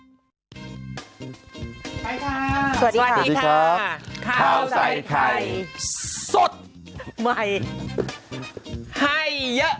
สวัสดีครับข่าวใส่ไข่สดใหม่ใหญ๖๔